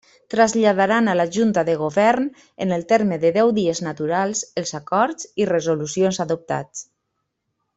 Traslladaran a la Junta de Govern, en el terme de deu dies naturals, els acords i resolucions adoptats.